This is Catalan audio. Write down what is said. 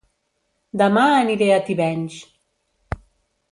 Dema aniré a Tivenys